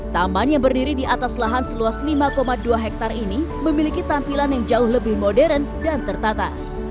taman yang berdiri di atas lahan seluas lima dua hektare ini memiliki tampilan yang jauh lebih modern dan tertata